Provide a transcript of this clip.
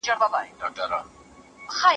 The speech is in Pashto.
مور او پلار ته بايد د احترام سر ټيټ کړو.